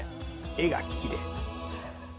絵がきれい。